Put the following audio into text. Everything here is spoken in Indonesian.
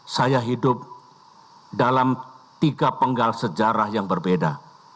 saya hidup dalam tiga penggal sejarah yang berbeda